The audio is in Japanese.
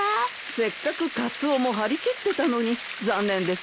せっかくカツオも張り切ってたのに残念ですね。